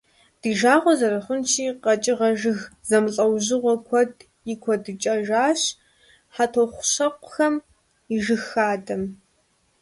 Ди жагъуэ зэрыхъунщи, къэкӀыгъэ, жыг зэмылӀэужьыгъуэ куэд икӀуэдыкӀыжащ ХьэтӀохъущокъуэм и жыг хадэм.